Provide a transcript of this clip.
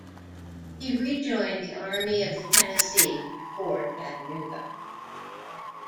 He rejoined the Army of the Tennessee before Chattanooga.